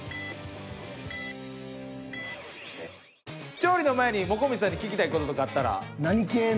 調理の前にもこみちさんに聞きたい事とかあったら。